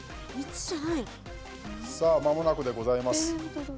まもなくでございます。